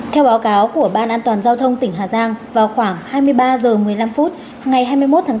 theo báo cáo của ban an toàn giao thông tỉnh hà giang vào khoảng hai mươi ba h một mươi năm phút ngày hai mươi một tháng bốn